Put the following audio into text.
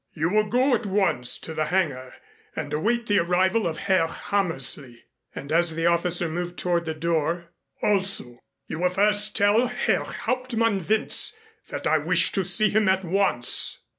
"You will go at once to the hangar and await the arrival of Herr Hammersley." And as the officer moved toward the door: "Also, you will first tell Herr Hauptmann Wentz that I wish to see him at once."